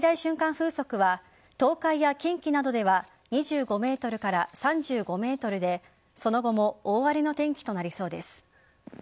風速は東海や近畿などでは２５メートルから３５メートルでその後も大荒れの天気となりそうです。